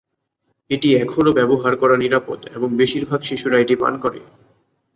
এটি এখনও ব্যবহার করা নিরাপদ এবং বেশিরভাগ শিশুরা এটি পান করে।